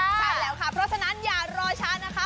ใช่แล้วค่ะเพราะฉะนั้นอย่ารอช้านะคะ